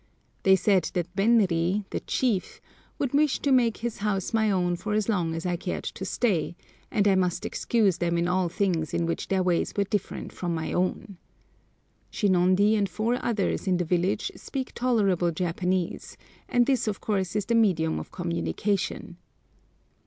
They said that Benri, the chief, would wish me to make his house my own for as long as I cared to stay, and I must excuse them in all things in which their ways were different from my own. Shinondi and four others in the village speak tolerable Japanese, and this of course is the medium of communication.